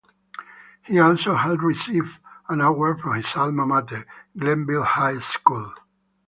He also has received an award from his alma mater, Glenville High School.